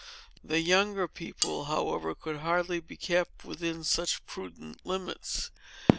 The younger people, however, could hardly be kept within such prudent limits.